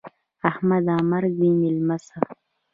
احمده! مرګ دې مېلمه سه.